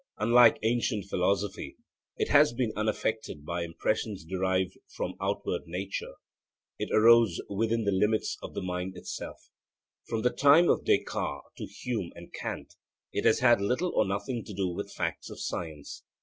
Unlike ancient philosophy, it has been unaffected by impressions derived from outward nature: it arose within the limits of the mind itself. From the time of Descartes to Hume and Kant it has had little or nothing to do with facts of science.